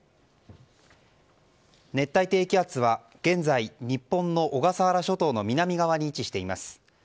熱帯低気圧は現在、日本の小笠原諸島の南側に位置しています。